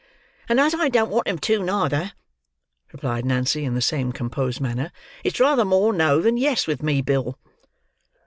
"And as I don't want 'em to, neither," replied Nancy in the same composed manner, "it's rather more no than yes with me, Bill."